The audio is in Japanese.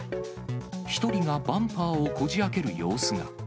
１人がバンパーをこじあける様子が。